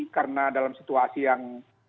karena dalam situasi yang